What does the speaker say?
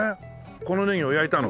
このネギは焼いたの？